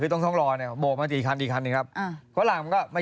ช่วงเวลาส่งรถอีกหรือป่ะ